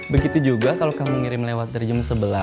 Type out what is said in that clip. begitu juga kalau kamu ngirim lewat dari jam sebelas